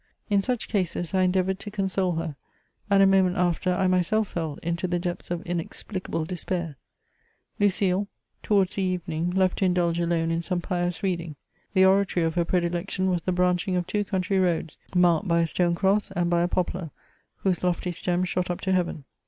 In such cases, I endeavoured to console her, and a moment after I myself fell iuto the depths of inexplicable despair. Lucile, towards the evening, loved to indulge alone in some pious reading; the oratory of her predilection was the branching of two country roads, marked by a stone cross, and by a poplar, whose lofty stem shot up to heaven.